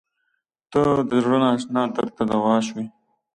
• ته د زړه نااشنا درد ته دوا شوې.